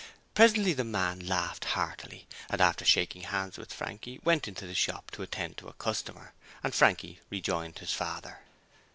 Presently the man laughed heartily and after shaking hands with Frankie went into the shop to attend to a customer, and Frankie rejoined his father.